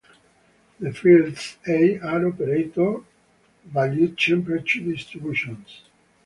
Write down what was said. The fields "A" are operator-valued tempered distributions.